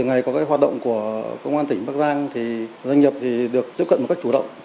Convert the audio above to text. ngày có hoạt động của công an tỉnh bắc giang thì doanh nghiệp được tiếp cận một cách chủ động